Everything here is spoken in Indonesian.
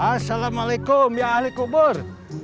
assalamualaikum ya ahli kubur